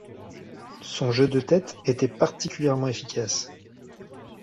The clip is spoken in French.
Son jeu de tête était particulièrement efficace.